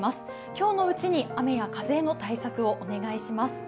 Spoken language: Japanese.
今日のうちに雨や風への対策をお願いします。